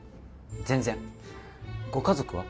全然ご家族は？